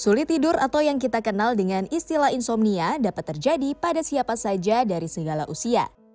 sulit tidur atau yang kita kenal dengan istilah insomnia dapat terjadi pada siapa saja dari segala usia